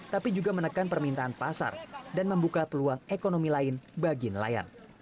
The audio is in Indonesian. tapi juga menekan permintaan pasar dan membuka peluang ekonomi lain bagi nelayan